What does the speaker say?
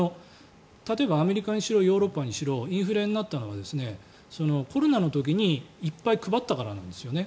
例えばアメリカにしろヨーロッパにしろインフレになったのはコロナの時にいっぱい配ったからなんですよね。